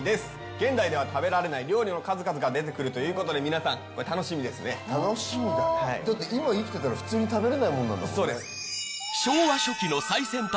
現代では食べられない料理の数々が出てくるということで皆さんこれ楽しみですね楽しみだねだって今生きてたら普通に食べれないもんなんだもんね昭和初期の最先端